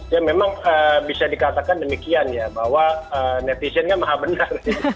ya memang bisa dikatakan demikian ya bahwa netizennya maha benar